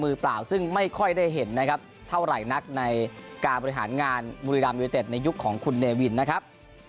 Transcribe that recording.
เปล่าซึ่งไม่ค่อยได้เห็นนะครับเท่าไหร่นักในการบริหารงานบุรีรัมยูนิเต็ดในยุคของคุณเนวินนะครับ